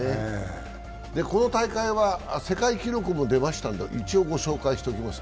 この大会は世界記録も出ましたんで一応ご紹介しておきます。